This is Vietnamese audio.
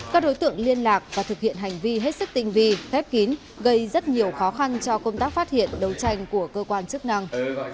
các đối tượng liên lạc và thực hiện hành vi hết sức tinh vi phép kín gây rất nhiều khó khăn cho công tác phát hiện đấu tranh của cơ quan chức năng